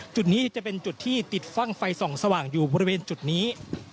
จุดนี้จะเป็นจุดที่ติดฟั่งไฟส่องสว่างอยู่บริเวณจุดนี้